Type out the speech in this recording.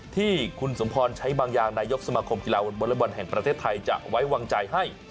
ที่คุณสมพรใช้บางอย่างนายกสมาคมกีฬาวอเล็กบอลแห่งประเทศไทยจะไว้วางใจให้